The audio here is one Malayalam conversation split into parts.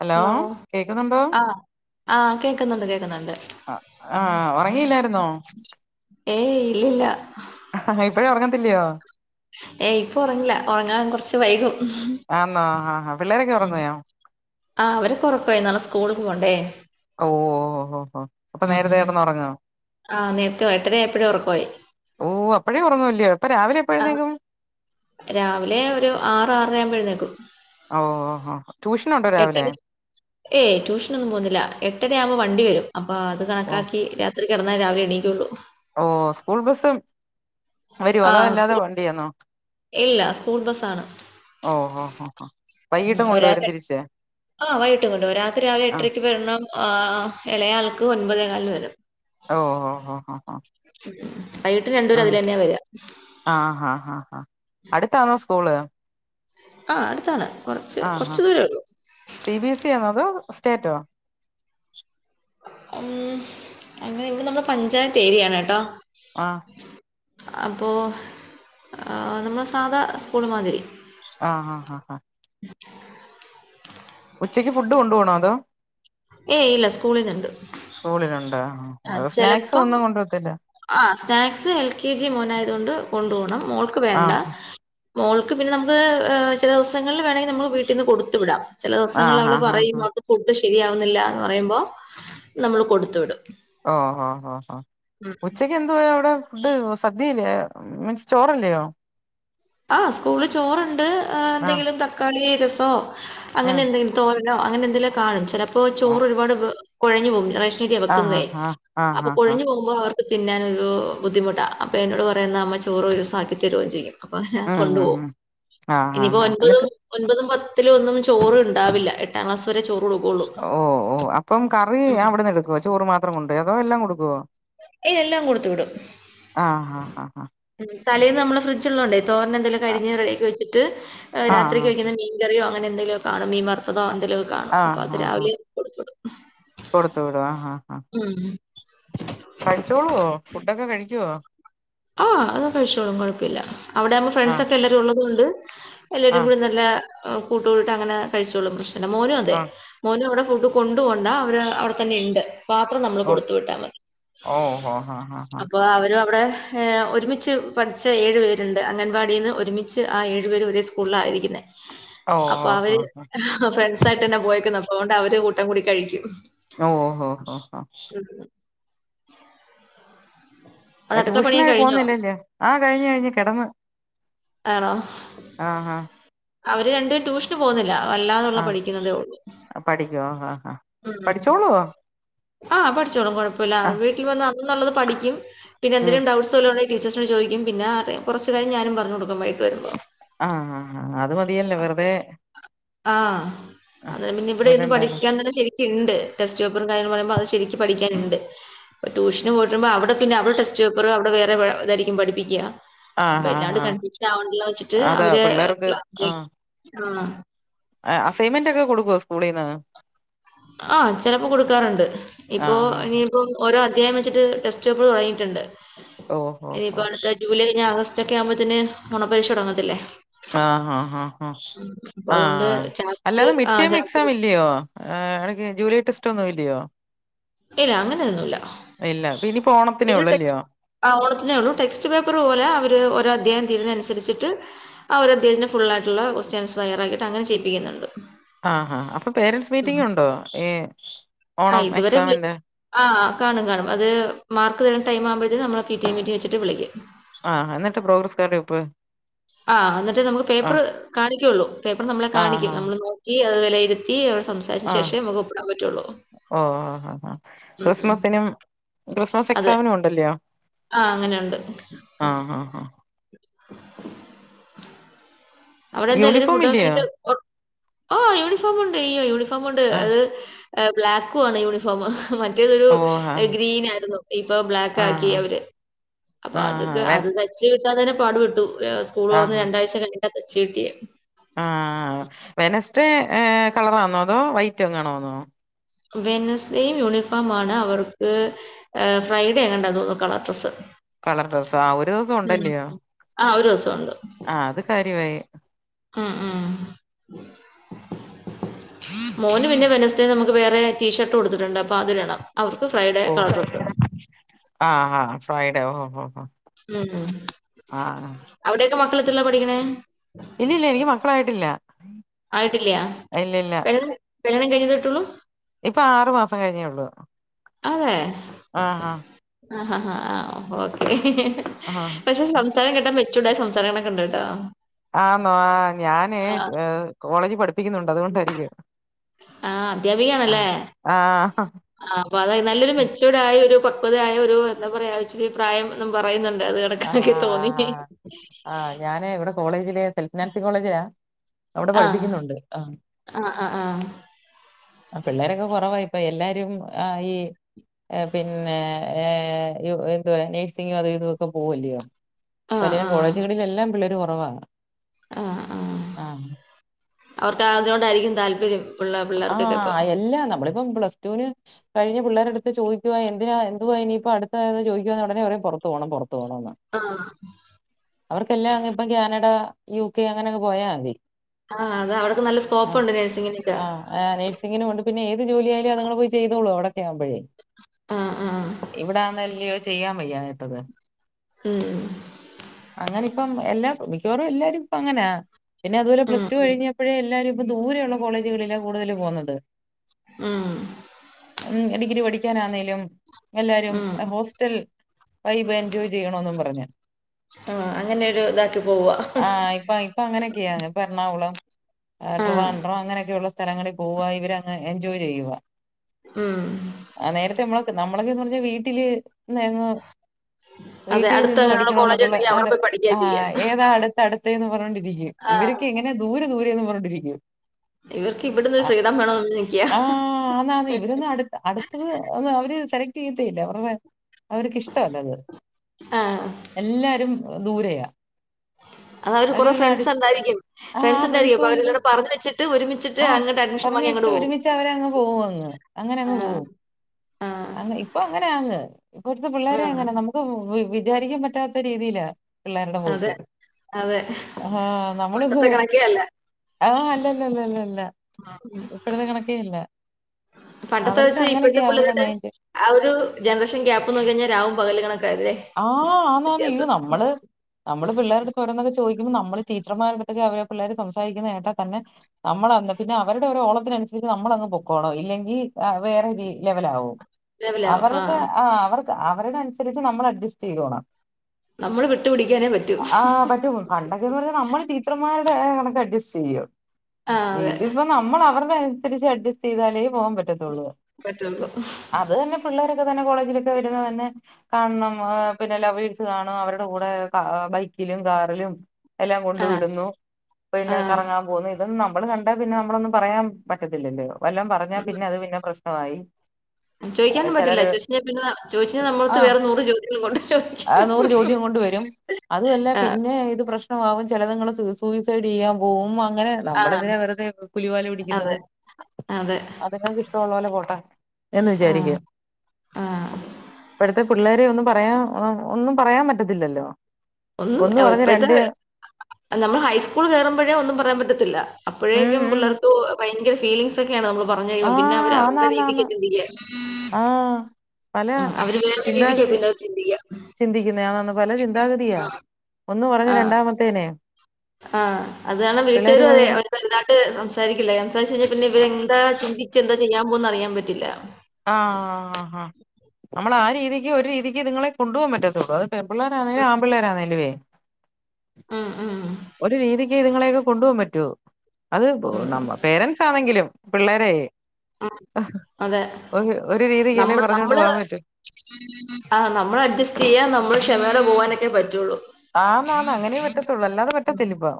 ഹലോ കേക്കുന്നൊണ്ടോ ആഹ് ആഹ് കേക്കുന്നുണ്ട് കേക്കുന്നുണ്ട് ആഹ് ഒറങ്ങിയില്ലായിരുന്നോ ഏയ് ഇല്ലില്ല ആഹ് ഇപ്പഴും ഉറങ്ങത്തില്ലയോ ഏയ് ഇപ്പൊ ഉറങ്ങില്ല ഉറങ്ങാൻ കുറച്ച് വൈകും. ആന്നോ ആഹാ പിള്ളേരൊക്കെ ഒറങ്ങിയോ ആഹാ അവരെക്കെ ഒറക്കയി ഓഹ് ഓഹ് ഓഹ് ഓഹ് ഹോ അപ്പൊ നേരത്തെ കിടന്ന് ഉറങ്ങ ആ നേരത്തെ എട്ടര ആയപ്പൊഴെ ഒറക്കവായി ഹോ അപ്പഴേക്കും ഒറങ്ങൂവല്ലയോ? അപ്പ രാവിലെ എപ്പ ആഹ് എഴുന്നേക്കും? രാവിലെ ഒരു ആറ് ആറര ആവുമ്പോ എഴുന്നേക്കും ഓ ഓഹോ ട്യൂഷനുണ്ടോ എട്ടര രാവിലെ ഏയ് ട്യൂഷനൊന്നും പോകുന്നില്ല എട്ടരയാവുമ്പോ വണ്ടി വെരും അപ്പൊ അത് ഓ കണക്കാക്കി രാ കിടന്നരാവിലെ എണീക്കള്ളൂ. ഓ സ്കൂൾ ബസ്സും വരോ അതോ ആഹ് അല്ലാതെ സ്കൂൾ വണ്ടിയാന്നോ? ഇല്ല സ്കൂൾ ബസ്സാണ് ഓ ഓ ഓ ഓ ളം വൈകിട്ടും കൊണ്ടുവരും ഒരാക്ക് തിരിച്ച് ആ വൈകിട്ടും കൊണ്ട് വെരും രാത്രി ആകെ ആഹ് എട്ടരയ്ക്ക് വരണം ആഹ് എളയാൾക്ക് ഒൻപതേകാല്ന് വെരും ഓ ഓ ഓ ഹ ഹ വൈകിട്ട് രണ്ടേരും അതിലന്നെ വരാ ആഹ് ഹാ ഹാ ഹാ അടുത്താണോ സ്കൂള്? ആ അടുത്താണ് കൊറച്ച് ആഹ് ആഹ് കൊറച്ച് ദൂരേ ള്ളു സി ബി എസ് ഇ ആണോ അതോ സ്റ്റേറ്റോ ഉം എങ്ങനെ ഇവിടെനമ്മൾ പഞ്ചായത്തേരിയാണ് കേട്ടോ. ആഹ് അപ്പോ നമ്മള് സാധാ സ്കൂള് മാതിരി ആഹ ആഹ ആഹ ഹാ ഉച്ചക്ക്ഫുഡ് കൊണ്ടു പോണോ അതോ ഏയ് ഇല്ല സ്കൂളിന്നുണ്ട് സ്കൂളിലുണ്ടോ സ്നാക്സ് ഒന്നും കൊണ്ടവത്തി ആഹ് സ്നാക്സ് എൽ കെ ജി മോനായതോണ്ട് കൊണ്ട് പോണം മോൾക്ക് വേണ്ട ആഹ് മോൾക്ക് പിന്നെ നമുക്ക് ചില ദിവസെങ്ങളിൽ വേണേ നമ്മൾ വീട്ടിൽന്ന് കൊടുത്ത് വിടാം ചെല ആഹ് ദിവസങ്ങളിലവള് ആഹ് ആഹ് പറയും ആഹ് അവക്ക് ഫുഡ് ശെരിയാവുന്നില്ലാന്ന് പറയുമ്പോ നമ്മള് കൊടുത്തു വിടും. ഓ ഹോ ഹോ ഹോ ഉച്ചയ്ക്ക് എന്ത് പോ അവിടെ ഫുഡ് സദ്യയില്യായോ മീൻസ് ചോറില്ലയോ? ആഹ് സ്കൂളി ചോറുണ്ട് ആഹ് എന്തെങ്കിലും തക്കാളി രസോ അങ്ങനെ ഉം എന്തെങ്കിലും തോരനോ അങ്ങനെന്തേലോ കാണും ചെലപ്പോ ചോറ് ഒരുപാട് കൊഴഞ്ഞു പോവും ഇത്തിരിയാ ആഹ് വെക്കുന്നതേ ആഹ് അപ്പൊ ആഹ് ആഹ് കൊഴഞ്ഞു പോകുമ്പോ അവർക്ക്. തിന്നാനൊരു ബുദ്ധിമുട്ടാഅപ്പൊ എന്നോട് പറയുന്നമ്മ ചോറ് ഒരു സാക്കി തരുകയും ചെയ്യും അപ്പൊ ഹേ ഉം ഉം കൊണ്ടുപോവും ഉം ആഹ് ഇനിപ്പോ ആഹ് ഒൻപത്- എന്നിട്ട് ഒൻപതും പത്തിലൊന്നും ചോറ്ണ്ടാവില്ല എട്ടാം ക്ലാസ് വരെ ചോറ് കൊടുക്കൊള്ളൂ ഓ ഓ അപ്പം കറി അവിടുന്ന് എടുക്കുവോ ചോറ് മാത്രംകൊണ്ട് അതോ എല്ലാം കൊടുക്കുവോ? എല്ലാം കൊടുത്തു വിടും ആഹ് ആഹ് ആഹ് തലേന്ന് നമ്മള് ഫ്രിഡ്ജുള്ളോണ്ടെ തോരനെന്തെങ്കിലൊക്കെ അരിഞ് റെഡിയാക്കി വെച്ചിട്ട് രാത്രിക്ക് ആഹ് വെക്കുന്ന മീൻ കറിയോ അങ്ങനെന്തങ്കിലൊക്കെ കാണും മീൻ വർത്തതൊ, എന്തേലൊ ആഹ ആഹ ആ കൊടുത്തു വിടോ? ആ ആഹ് ഉം കഴിച്ചോളുവോ ഫുഡൊക്കെ കഴിക്കുവോ? ആഹ് അതൊ കഴിച്ചോളും കുഴപ്പമില്ല അവിടാവുമ്പൊ ആഹ് ഫ്രണ്ട്സൊക്കെ എല്ലരും ഉള്ളത് കൊണ്ട് എല്ലരും ആഹ് കൂടി നല്ല കൂട്ട് കൂടീട്ട് ങ്ങനെ കഴിച്ചോളും പ്രശ്നല്ല മോനു അതെ ആഹ് മോനും അവിടെ കൂട്ട് - കൊണ്ട് പോണ്ട അവര് അവിടെ തന്നെയിണ്ട് പാത്രം നമ്മള് ഓ കൊടുത്തു വിട്ടാ മതി. ഓഹോ ഹ ഹ ഹ അപ്പൊ അവരവ്ടെ ഏഹേ ഒരുമിച്ച് പഠിച്ച ഏഴ് പേര്ണ്ട് അംഗൻവാടിന്ന് ഒരുമിച്ച് ആ ഏഴു പേര് ഒരേ സ്കൂളിലായിരിക്കുന്നെ അപ്പൊ ഓഹോ ഹ അവര് ഹ ഫ്രൻസായിട്ട് തന്നെ പോയേക്കുന്നു അപ്പൊഅവര് കൂട്ടം കൂടി കഴിക്കും ഓ ഓ ഹോ ഹോ ഹ അവിടെ അടുക്കള പണിയൊക്കെ ട്യൂഷനായി കഴിഞ്ഞോ പോവുന്നില്ലല്ലൊ ആ കഴിഞ്ഞ് ഞ്ഞഴിഞ്ഞ് കെടന്ന് ആണോ അവര് രണ്ട് ടൂഷന് പോവുന്നില്ല വല്ലാതുള്ള ആഹ് പഠിക്കുന്നതേ ഉള്ളൂ. പഠിച്ചോളോ. ആഹ് പഠിച്ചോളും കൊഴപ്പല്ല വീട്ടിവന്ന് അന്നുള്ളത് പഠിക്കും പിന്നെ ഉം എന്തെലും ഡൗട്സ് സ് ല്ലോല് ടീചേഴ്സിനോടും ചോയിക്ക്യും പിന്നെ ആ കുറച്ച് കഴിഞ്ഞാ ഞാനും പറഞ്ഞു കൊടുക്കും. വരുമ്പോൾ ആഹ് ഹാ അത് മതിയല്ലോ വെറ്തെ. ആഹ് അത്പിന്നെ ഇവിടെ ഇരുന്ന് വിടണ്ടല്ലോ പഠിക്കാൻ തന്നെ ശരി. ണ്ട് ടെസ്റ്റ് പേപ്പറും കാര്യങ്ങള് പറയുമ്പോ അത് ശരിക്ക് പഠിക്കാനുണ്ട് അപ്പൊ ട്യൂഷന് പോയിട്ടരുമ്പോ അവിടെ പിന്നെ അവിടെസ്റ്റ് പേപ്പറ് അവിടെ വേറെതായിരിക്കും പഠിപ്പിക്കാ ആഹ് ആഹ് വല്ലാണ്ട് ആഹ് കൺഫ്യൂഷൻ ആവണ്ടല്ലോ ച്ചിട്ട് അതാ അവര് പിള്ളേർക്ക് ക്ലാസിലേക്ക് ആ ആഹ് അസൈൻമെന്റ് ഒക്കെ കൊടുക്കോ സ്കൂളിന്നോ ആഹ് ചിലപ്പോ കൊടുക്കാറുണ്ട് ഇപ്പൊ ആഹ് ആഹ് ഇനിയിപ്പോ ഓരോ അധ്യായം വെച്ചിട്ട് ടെസ്റ്റ് പേപ്പർ തുടങ്ങിയിട്ടുണ്ട് ഓഹോ ഹോ ഇനിയിപ്പോ അടുത്ത ജൂലൈ കഴിഞ്ഞ ആഗസ്റ്റ് ഒക്കെ ആവുമ്പോത്തിന് ഓണപരീക്ഷ തൊടങ്ങത്തില്ലേ? ആഹ ഹാ ഹാ ഹാ അതുകൊണ്ട് ആഹ് ചാപ്റ്റർ അല്ലാതെ ആഹ് ചാപ്റ്റർ മിട്ടേംഎക്സാമില്ലെയോ. ആ നിനക്കി ജൂലൈ ടെസ്റ്റ് ഒന്നും ഇല്ല്യോ ഇല്ല അങ്ങനെന്നുല്ല ഇല്ല പിനീം ഒരു ടെക്സ്റ്റ് ആ ഓണത്തിനേയൊള്ളൂ ടെക്സ്റ്റ് പേപ്പറ് പോലെ അവര്ഓരോ അധ്യായം തീരുന്നൻസരിച്ചിട്ട് ആഹ് ഒരു അദ്യായത്തിന്റെ ഫുള്ളായിയിട്ടുള്ള ക്വസ്റ്റൻസ് തയ്യറാക്കിയിട്ട് അങ്ങനെ ചെയ്യിപ്പിക്കുന്നുണ്ട് ആഹ് അപ്പൊ പേരൻസ് ഉം. മീറ്റിംഗ് ഉണ്ടോ ഈ ഓണം എക്സാമിന്റെ ആഹ് ആ കാണും കാണും അത് മാർക്ക് തരുന്ന ടൈമാവുമ്പോഴത്തേനും നമ്മളെ പി ടി എ മീറ്റിംഗ് വെച്ചിട്ട് വിളിക്കും ആഹ് എന്നിട്ട് പ്രോഗ്രസ് കാർഡിൽ ഒപ്പ് ആഹ് എന്നട്ട് നമുക്ക് ആ. പേപ്പറ് കാണിക്കൊള്ളൂ പേപ്പർ നമ്മളെ ആഹാ! കാണിക്കും നമ്മള് [unintelligible] സംസാ ആഹ ഓ ആഹ് ഉം ഉം ക്രിസ്മസിനും ക്രിസ്മസ് എക്സാമിനുണ്ടല്ലയോ? ആഹ് അങ്ങനെണ്ട് ആഹ് ആഹ് അവിടെന്താ എല്ലരും യൂണിഫോം ഫുഡൊക്കെ ഇല്ലയോ? കയിച്ചോ? ഓ യൂണിഫോമുണ്ട് യ്യോ യൂണിഫോമുണ്ട് ആ. അത് ബ്ലാക്കു ആണ് യൂണിഫോം. മറ്റേതൊരു ഓ! ആ. ഗ്രീൻ ആയിരുന്നു ഇപ്പൊ ബ്ലാക്ക് ആക്കി ആഹാ! അവര് അപ്പൊ ആഹാ! അതൊക്കെ വെ അത് ത തച്ച് കിട്ടാ തന്നെ പാടുപെട്ടു സ്കൂള് തൊറന്ന് രണ്ടാഴ്ച കഴിഞ്ട്ടാ തച്ച് കിട്ടിയേ ആഹ് വെനസ്റ്റേ കളറാന്നോ? അതോ വൈറ്റ് എങ്ങനാന്നോ? വെനസ്ഡേയും യൂണിഫോം ആണ് അവർക്ക് ഏഹേ ഫ്രൈഡേയെങാണ്ടാ തോന്നുന്നു കളർഡ്രസ്സ് കളർ ഡ്രസ് ആ ഒരു ദുവസമുണ്ടല്ലയോ? ആ ഒരു ദിവസമുണ്ട്. ആഹ് അത് കാര്യവായെ ഉംഉം മോന് പിന്നെ വെനസ്ഡേ നമുക്ക് വേറെ ടീഷർട്ട് കൊടുത്തിട്ടുണ്ടെ പാതിരണം അവർക്ക് ഫ്രൈഡേ കളർ ഡ്രസ്സ്‌ ആഹ ആഹ ഫ്രൈഡേ ഒ ഹോ ഹോ ഉം ഉം അവിടെക്കെ മക്കളെത്തറീലാ പഠിക്ക്ണേ? ഇല്യ ഇല്യ എനിക്ക് മക്കളായിട്ടില്ല ആയിട്ടില്ല ഇല്ലില്ല. കല്യാ കല്യാണം കഴിഞ്ഞട്ടുള്ളൂ. ഇപ്പൊ ആറു മാസം കഴിഞ്ഞേള്ളൂ. അതെ. ആഹഹാ ആഹ്ഹഹ ആ ഓക്കേ. ആഹ് പക്ഷെ സംസാരം കേട്ടാ മെച്ചുർഡ് ആയ സംസാരങ്ങളൊക്കെണ്ട് കേട്ടോ. ആന്നോ ഞാന് കോളേജ് പഠിപ്പിക്കുന്നുണ്ട്. അതുകൊണ്ടായിരിക്കും. ആ അദ്ധ്യാപിക ആഹ് ആണല്ലേ? ആഹ് ആ് അപ്പ അത് നല്ലൊരു മെചോർഡയ ഒരു പക്വതയായ ഒരു എന്താ പറയാ ഇച്ചിരി പ്രായം പറയുന്നുണ്ട് അത്. ആ കണക്കാക്കി ആ തോന്നി ആ് ആ ആ് ഞാന് ഇവിടെ കോളേജില് സെൽഫ് ഫിനാൻസ് കോളേജില അവിടെ ആഹ് പഠിപ്പിക്കുന്നുണ്ട് ആഹ്. ആഹ് ആഹ് ആഹ് ആ പിള്ളേരൊക്കെ കുറവായി ഇപ്പൊ എല്ലാരും ആ ഈ ആ പിന്നെ [unintelligible] ന്തുവാ നേഴ്സിംഗും അതു ഇതു പോവല്ലയോ ആഹ് പല ആഹ് കോളേജുകളിലെല്ലാം പിള്ളേർ കെറവാ. ആഹ്. അവർക്ക് ആതിനോടായിരിക്കും താല്പര്യം. പിള്ള പിള്ളേർക്കൊക്കെ ഇപ്പൊ ആഹ അല്ലാ നമ്മളിപ്പം പ്ലസ്ടുന് കഴിഞ്ഞ പിള്ളേരടുത്ത് ചോദിക്കുവാ എന്തിനാ എന്തുവാ ഇനിപ്പോ അടുത്തായത് ചോദിക്കവാന്ന് ഉടനെറയും പൊറത്ത് പോണം പൊറത്ത് പോണംന്ന്. ആഹ്. അവർക്കെല്ലാം അങ് ഇപ്പം കാനഡ യുകെ അങ്ങനെങ്ങ് പോയാൽ മതി. ആഹ് അത് അവിടൊക്ക നല്ല ആഹ് സ്കോപ്പുണ്ട് നേഴ്സിങ്ങിനൊക്കെ. ആഹ് ആഹ് നേഴ്സിങ്ങിനോണ്ട്. പിന്നെ ഏത് ജോലിയായാലും അതിങ്ങൾ പോയി ചെയ്തോളൂ അവിടൊക്ക ആകുമ്പഴേ. ആഹ് ആഹ് ഇവിടാന്നല്ലയോ ചെയ്യാൻ വയ്യാത്തത്. ഉം അങ്ങനെ ഇപ്പം എല്ലാ മിക്കവാറും എല്ലാരും ഇപ്പ അങ്ങനാ പിന്നെ അതുപോലെ ഉം പ്ലസ്ടു ഉം കഴിഞ്ഞ ഇപ്പോഴേ എല്ലാരും ദൂരെയുള്ള കോളേജുകളിലാ കൂടുതൽ പോകുന്നത്. ഉം ഉം ഡിഗ്രി പഠിക്കാനാന്നേലും. എല്ലാരും ഉം ഹോസ്റ്റൽ വൈബ് എൻജോയ് ചെയ്യണോന്നും മ്പറഞ്ഞ്. അങ്ങനൊരു ഇതാക്കി പോവാ. പ്പ അങ്ങനൊക്കെയാണ് ഇപ്പെ എറണാകുളം, ആഹ് ട്രിവാൻഡ്രം അങ്ങനൊക്കെയുള്ള സ്ഥ സ്ഥലങ്ങളിൽ പോവ ഇവരങ്ങ് എൻജോയ് ചെയ്യുവ ഉം. ആ നേരത്തെ നമ്മളൊക്കെന്ന് പറഞ്ഞാ വീട്ടില് അതെ വീട്ടീ അടുത്ത നിന്ന് അങ്ങനെയുള്ള കോളേജ് പഠിക്കണോന്നൊക്കെയള്ള ഉണ്ടെങ്കിൽ അവിടെ ആടെ. പോയി പഠിക്കാ ആഹ ചെയ്യാ ഏതാ അടുത്ത അടുത്ത് എന്ന് പറഞ്ഞോണ്ടിരിക്കും. ആഹ് ഇവരൊക്കെ എങ്ങനെയ ദൂരെ ദൂരെന്ന് പറഞ്ഞോണ്ടിരിക്കും. ഇവർക്ക് ഇവിടുന്ന് ഒരു അഹ്‌. ഫ്രീഡം വേണോന്ന് നിക്കാ ആഹ് അന്നാന്നേ ഇവരൊന്ന് അടു അടുത്തത് ഒന്ന് അവര് സെലക്ട് ചെയ്യത്തെയില്ല. അവരുടെ അവർക്കിഷ്ടവല്ലത്. ആഹ് എല്ലാരും ദൂരെയാ ആഹ് അവര് കൊറെ പിന്നെ ഫ്രണ്ട്സ് അടിച്ച് ഉണ്ടാരിക്കും ആഹ് ഫ്രണ്ട്സ് ഉണ്ടാരിക്കും ഫ്രണ്ട്സും അപ്പൊ ഉണ്ട് അവടെ പറഞ്ഞ വച്ചിട്ട് ഒരുമി ആഹ് പറഞ്ഞ വെച്ച് ഒരുമിച്ച് അവരങ്ങ് പോകുവല്ലോ. അങ്ങനെ അങ്ങ് ആഹ് പോകും. ആഹ് ഇപ്പൊ അങ്ങനെ അങ്ങ് ഇപ്പോടുത്തെ പിള്ളേരെ ആഹ് അങ്ങനെ നമു ഇപ്പോൾ വിചാരിക്കാൻ പറ്റാത്ത രീതിയില പിള്ളേരുടെ അതെ പോക്ക് [unintelligible] അതെ ആഹ് ഹാ പണ്ടത്തെ നമ്മള്ന്ന് കണക്കേ അല്ല ആഹ് അല്ലല്ലല്ലല്ലല്ല. ഇപ്പോഴത്തെ കണക്കേയല്ല. പണ്ടത്തെ അവർക്ക് വെച്ച് അങ്ങനെയൊക്കെയ ഇപ്പോഴത്തെ അവരുടെ പിള്ളേരുടെ മൈൻഡ്. ആ ഒരു ജനറേഷൻ ഗ്യാപ്പ് നോക്കികഴിഞ്ഞാൽ രാവും പകലും കണക്കാ അല്ലേ ആഹ് ആന്നാണ് വ്യത്യാസം നമ്മള് നമ്മൾ പിള്ളേരെടുത്തു ഓരോനോക്കെ ചോദിക്കുമ്പോൾ നമ്മൾ ടീച്ചർമാരോടെത്തൊക്കെ നമ്മടെ പിള്ളേർ സംസാരിക്കുന്ന കേട്ടാൽ തന്നെ നമ്മളന്ന് പിന്നെ അവരുടെ ഒരു ഓളത്തിനനുസരിച്ച് നമ്മൾങ്ങ് പൊക്കണം ഇല്ലെങ്കിൽ വേറെ രീതി ആകും. രാവിലാവും അവർക്ക് ആഹ് ആ അവർക്ക് അവരുടെ അനുസരിച്ച് നമ്മൾ അഡ്ജസ്റ്റ് ചെയ്തോണം. നമ്മള് വിട്ടുപിടിക്കാനേ പറ്റു. ആഹ് പറ്റും പണ്ടൊക്കെന്ന് പറഞ്ഞാൽ നമ്മള് ടീച്ചർമാരുടെ കണക്ക് അഡ്ജസ്റ്റ് ചെയ്യും ആഹ് അതെ ഇതി നമ്മളവർടെനുസരിച്ച് അഡ്ജസ്റ്റ്യ്താലേ പോവാൻ പറ്റത്തുള്ളൂ പറ്റുള്ളൂ അത് ന് പിള്ളേരൊക്കെ തന്നെ കോളേജിലൊക്കെ വരുന്നത് തന്നെ കാണണം ആഹ് പിന്നെ ലൗവേഴ്സ് കാണും അവരുടെ കൂടെ ബൈക്കിലും, കാറിലും എല്ലാം കൊണ്ടു ആഹ് വിടുന്നു പിന്നെ ആഹ് കറങ്ങാൻ പോന്നു. തൊന്ന് നമ്മള് കണ്ട പിന്നെ നമ്മളൊന്നും പറയാൻ പറ്റത്തില്ലല്ലോ വല്ലാം പറഞ്ഞാ പിന്നെ അത് പിന്നെ പ്രശ്നമായി ആ, ചോയ്ക്കാനും പറ്റില്ല ചിലര് ചോയിച്ചു കഴിഞ്ഞാൽ പിന്നെ ചോയിച്ച ആ നമ്മടെത്ത് വേറെ നൂറ് ചോദ്യങ്ങൾ കൊണ്ട് വരും. ആ നൂറ് ചോദ്യം കൊണ്ട് വരും അതുവല്ല ആഹ് പിന്നെ ഇത് പ്രശ് മാവും ചിലത്ങ്ങള് സൂസൂസൈഡ്യ്യാ പോവും അങ്ങനെ. ആഹ് നമ്മളന്തിനാ വെറുതേ പുലിവാൽ അതെ പിടിക്കുന്നത് അതെ അതെങ്ങക്ക് ഇഷ്ടള്ള പോലെ പോട്ടേ എന്ന് ആഹ് വിചാരിക്കും. ആഹ് ഇപ്പോഴത്തെ പിള്ളേരെ ഒന്നും പറയാൻ ഒന്നും പറയാൻ പറ്റത്തില്ലല്ലോ. ഒന്നും ഒന്ന് പറഞ്ഞ് ഇപ്പോഴത്തെ രണ്ട് നമ്മൾ ഹൈസ്കൂൾ കയറുമ്പോഴേ ഒന്നും പറയാൻ പറ്റത്തില്ല ഉം അപ്പോഴേക്കും ഉം പിള്ളേർക്ക് ഭയങ്കര ഫീലിംഗസ്ക്കെയാണ് അമ്മള് പറഞ്ഞു കഴിയ്മ്പോ പിന്നെ ആഹ് അവര് അവരുടെ ആന്നാന്ന് രീതിക്കാ ആന്ന് ചിന്തിക്കാ ആഹ് പല രീതിക്കാ ചിന്താഗതിയാ പിന്നെ അവര് ചിന്തിക്കുക ചിന്തിക്കുന്നയാണെന്ന് പല ചിന്താഗതിയാ. ഒന്ന് പറഞ്ഞാ രണ്ടാമത്തേനെ- ആഹ അതുകാരണം പിള്ളേര് വീട്ടുകാരും പോയി അതെ പറയും വലുതായിട്ട് സംസാരിക്കില്ല. സംസാരിച്ചാൽ കഴിഞ്ഞാൽ പിന്നെ ഇവരെന്താ ചിന്തിച്ച് എന്താ ചെയ്യാൻ പോണെന്നു അറിയാൻ പറ്റില്ല. ആ ആഹ് ഹാ നമ്മൾ ആ രീതിക്ക് ഒരു രീതിക്ക് ഇത്ങ്ങളെ കൊണ്ടോവൻ പറ്റത്തുള്ളൂ അ- പെമ്പിള്ളേരാണേലും ആമ്പിള്ളേരാണേലും വേ- ഉം ഉം ഒരു രീതിക്ക് ഇതുങ്ങളൊക്കെ കൊണ്ടോവാൻ പറ്റൊ അത് ഉം നമ്മ പേരൻറ്സ് ആണെങ്കിലും. പിള്ളേരേ ഉം അഹ് അതെ ഒ ഒരു രീതിക്ക് അല്ലേ പറഞ്ഞോണ്ടവാൻ പറ്റും ആഹ് നമ്മൾ അഡ്ജസ്റ്റ്യ്യാ നമ്മള് ക്ഷമയോടെ പോവാനൊക്കെ പറ്റുള്ളൂ. ആന്ന് അന്ന് അങ്ങനേ പറ്റത്തുള്ളൂ അല്ലാതെ പറ്റത്തില്ല ഇപ്പം.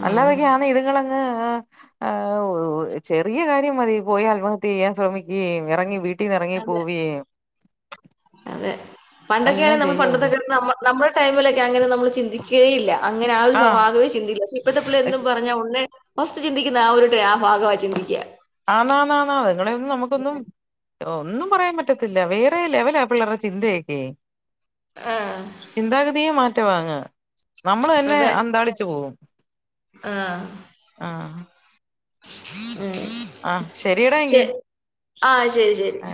ഉം അല്ലാതൊക്കെയ ആണ് ഇതുങ്ങള ആ ചെറിയ കാര്യം മതി പോയി ആത്മഹത്യ ചെയ്യാൻ ശ്രമിക്കേം എ റങ്ങി വീട്ടീന്ന് എറങ്ങി അതെ പോവേം. അതെ പണ്ടൊക്കെയ എല്ലാം ആണ നമ്മൾ ചെയ്യുവല്ലോ പണ്ടത്തൊക്കെ നമ്മ നമ്മുടെ ടൈമിലൊ ക്കങ്ങനെ നമ്മള് ചിന്തിക്കേയില്ല അങ്ങനെ ആ ഒരു ആഹ് സ്വഭാകവേ ചിന്തി [unintelligible] ഇപ്പത്തെപ്പ്ള്ളെര് ന്ന് പറഞ്ഞാ ഒന്ന്. ഫസ്റ്റ് ചിന്തിക്കുന്ന ആ ഒര് ട്ടേ ആ ഭാഗമാ ചിന്തിക്ക ആന്നാന്നാ ന്നാ ള് ഇതിങ്ങളെയൊന്നും നമുക്കൊന്നും ഒന്നും പറയാൻ പറ്റത്തില്ല വേറേ ലെവലാ പിള്ളേർടെ ചിന്തയക്കേ ആഹ് ചിന്താഗതിയേ മാറ്റവാ അങ്ങ്. നമ്മള് തന്നെ അതെ അന്താളി ചോം. ആഹ് ആഹ് ഉം. ആഹ് ശരിയടാ ശെ, എങ്കി ആഹ് ശരി ശരി. ആ